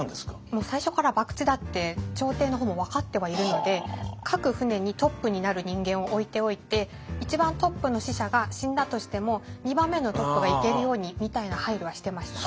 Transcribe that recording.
もう最初から博打だって朝廷の方も分かってはいるので各船にトップになる人間を置いておいて一番トップの使者が死んだとしても２番目のトップが行けるようにみたいな配慮はしてました。